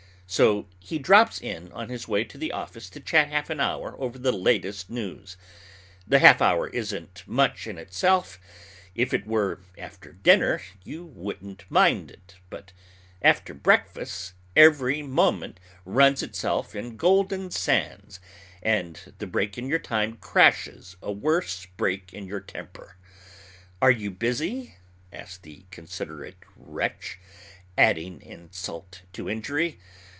So he drops in on his way to the office to chat half an hour over the latest news. The half hour isn't much in itself. If it were after dinner, you wouldn't mind it; but after breakfast every moment "runs itself in golden sands," and the break in your time crashes a worse break in your temper. "Are you busy?" asks the considerate wretch, adding insult to injury.